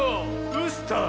ウスター。